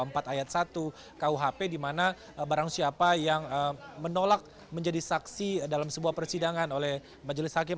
pasal dua ratus dua puluh empat ayat satu kuhp di mana barang siapa yang menolak menjadi saksi dalam sebuah persidangan oleh majelis hakim